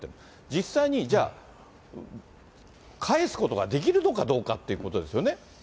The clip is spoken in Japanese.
実際に、じゃあ、返すことができるのかどうかってことですよね。